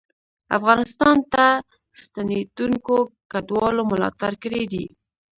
افغانستان ته ستنېدونکو کډوالو ملاتړ کړی دی